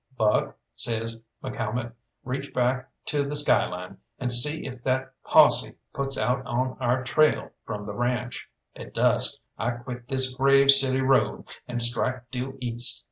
"Buck," says McCalmont, "reach back to the skyline, and see if that posse puts out on our trail from the ranche. At dusk I quit this Grave City road, and strike due east.